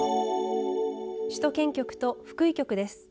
首都圏局と福井局です。